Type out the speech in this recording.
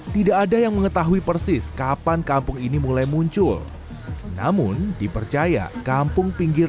tidak ada yang mengetahui persis kapan kampung ini mulai muncul namun dipercaya kampung pinggir